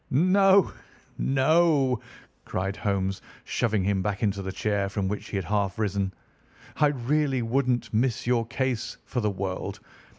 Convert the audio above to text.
"No, no," cried Holmes, shoving him back into the chair from which he had half risen. "I really wouldn't miss your case for the world.